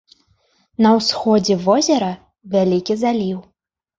На ўсходзе возера вялікі заліў.